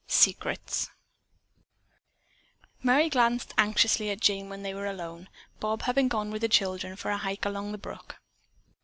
SECRETS Merry glanced anxiously at Jane when they were alone, Bob having gone with the children for a hike along the brook.